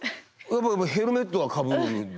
ヘルメットはかぶるでしょう。